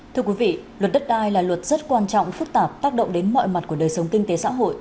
thưa quý vị luật đất đai là luật rất quan trọng phức tạp tác động đến mọi mặt của đời sống kinh tế xã hội